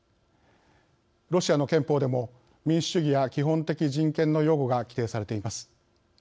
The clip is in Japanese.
ロシアの憲法でも民主主義や基本的人権の擁護が規定されています。